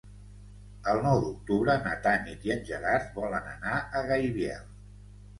El nou d'octubre na Tanit i en Gerard volen anar a Gaibiel.